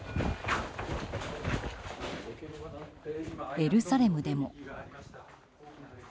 エルサレムでも。